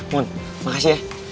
mon makasih ya